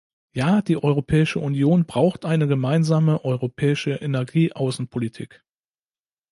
Ja, die Europäische Union braucht eine gemeinsame europäische Energieaußenpolitik.